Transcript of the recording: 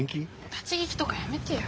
立ち聞きとかやめてよ。